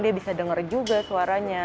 dia bisa dengar juga suaranya